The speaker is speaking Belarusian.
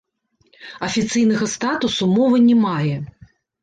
Афіцыйнага статусу мова не мае.